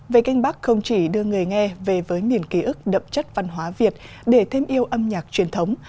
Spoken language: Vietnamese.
về kinh bắc không chỉ đưa người nghe về với miền ký ức đậm chất văn hóa việt để thêm yêu âm nhạc truyền thống